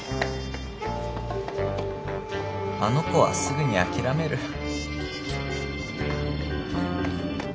あの子はすぐに諦める。